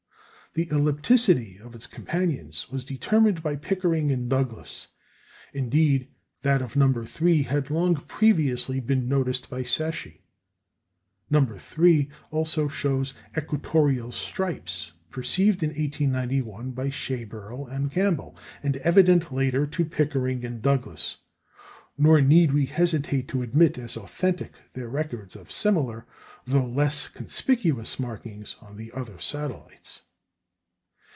The ellipticity of its companions was determined by Pickering and Douglass; indeed, that of No. 3 had long previously been noticed by Secchi. No. 3 also shows equatorial stripes, perceived in 1891 by Schaeberle and Campbell, and evident later to Pickering and Douglass; nor need we hesitate to admit as authentic their records of similar, though less conspicuous markings on the other satellites.